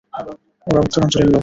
ওরা উত্তরাঞ্চলের লোক।